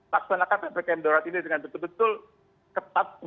laksanakan ppkm darurat ini dengan betul betul ketat